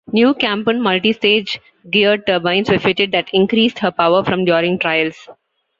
New Kampon multi-stage geared turbines were fitted that increased her power from during trials.